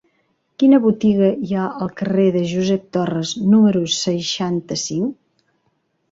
Quina botiga hi ha al carrer de Josep Torres número seixanta-cinc?